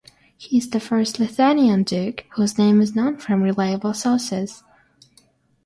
He is the first Lithuanian duke whose name is known from reliable sources.